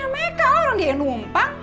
meka lah orang dia yang numpang